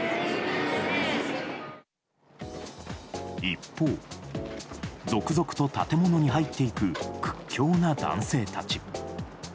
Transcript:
一方、続々と建物に入っていく屈強な男性たち。